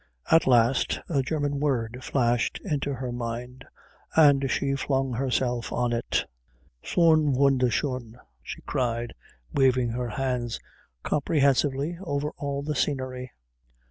At last a German word flashed into her mind and she flung herself on it. "Schön wunderschön!" she cried, waving her hands comprehensively over all the scenery.